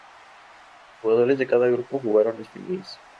Los ganadores de cada grupo jugaron las finales.